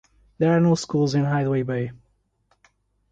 There are no schools in Hideaway Bay.